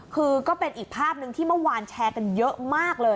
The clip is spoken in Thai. คือก็เป็นอีกภาพหนึ่งที่เมื่อวานแชร์กันเยอะมากเลย